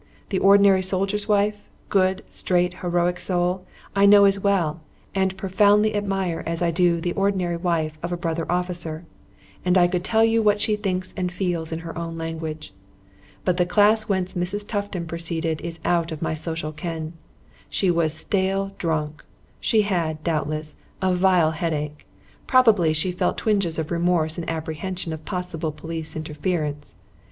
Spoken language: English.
The ordinary soldier's wife, good, straight, heroic soul, I know as well and and profoundly admire as I do the ordinary wife of a brother officer, and I could tell you what she thinks and feels in her own language. But the class whence Mrs. Tufton proceeded is out of my social ken. She was stale drunk; she had, doubtless, a vile headache; probably she felt twinges of remorse and apprehension of possible police interference.